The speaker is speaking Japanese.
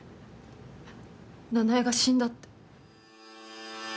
奈々江が死んだって。